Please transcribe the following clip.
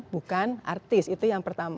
bukan artis itu yang pertama